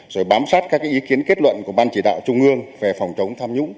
rồi bám sát các ý kiến kết luận của ban chỉ đạo trung ương về phòng chống tham nhũng